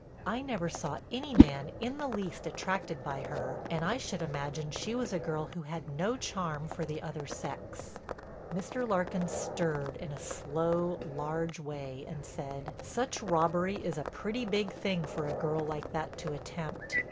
I never saw any man in the least attracted by her and I should imagine she was a girl who had no charm for the other sex." Mr. Larkin stirred in a slow, large way and said: "Such a robbery is a pretty big thing for a girl like that to attempt.